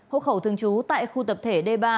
hộ khẩu thường trú tại khu tập thể d ba